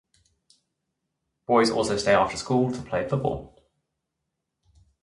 Boys also stay after school to play football.